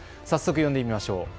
早速呼んでみましょう。